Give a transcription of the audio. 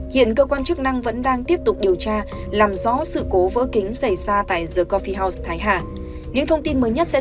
hiện cơ quan chức năng vẫn đang tiếp tục điều tra làm rõ sự cố vỡ kính xảy ra tại the cophe house thái hà